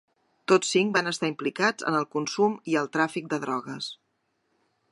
Tots cinc van estar implicats en el consum i el tràfic de drogues.